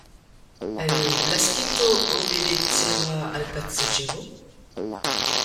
El Blasquito obedecera al pasagero ?